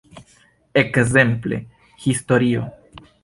Ekzemple, historio.